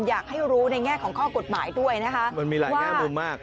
อยากให้รู้ในแง่ของข้อกฎหมายด้วยนะคะมันมีหลายแง่มุมมาก